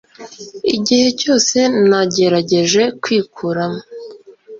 igihe cyose nagerageje kwikuramo